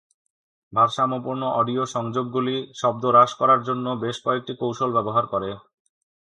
ভারসাম্যপূর্ণ অডিও সংযোগগুলি শব্দ হ্রাস করার জন্য বেশ কয়েকটি কৌশল ব্যবহার করে।